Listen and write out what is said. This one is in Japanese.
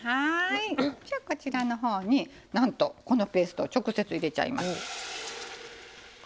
こちらのほうになんとこのペーストを直接入れちゃいます。